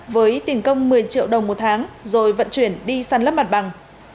với tiền công một mươi triệu đồng một tháng rồi vận chuyển đi săn lấp mặt bằng